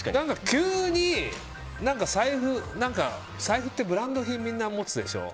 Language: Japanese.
急に財布ってブランド品をみんな持つでしょ。